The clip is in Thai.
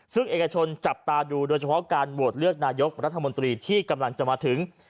ซึ่งเอกชนจับตาดูโดยเฉพาะการโหวตเลือกนายกรัฐมนตรีที่กำลังจะมาถึง